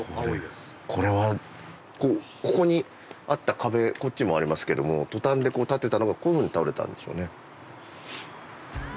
ここにあった壁こっちもありますけどもトタンで立ってたのがこういう風に倒れたんでしょうね。